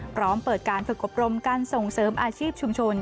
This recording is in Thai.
พร้อมเปิดการฝึกอบรมการส่งเสริมอาชีพชุมชน